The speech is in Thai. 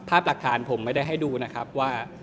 หลักฐานผมไม่ได้ให้ดูนะครับว่า